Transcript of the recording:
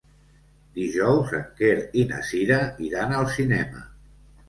Dijous en Quer i na Cira iran al cinema.